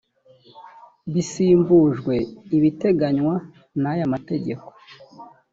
bisimbujwe ibiteganywa n’aya mategeko